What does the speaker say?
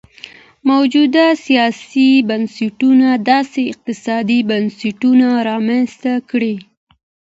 موجوده سیاسي بنسټونو داسې اقتصادي بنسټونه رامنځته کړي.